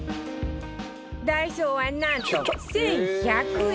ダイソーはなんと１１００円